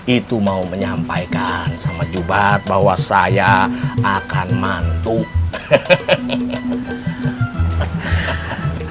itu mau menyampaikan sama jumat bahwa saya akan mantuk hehehe hehehe hehehe hehehe hehehe hehehe